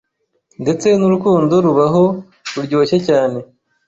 ndetse n’urukundo rubaho ruryoshye cyane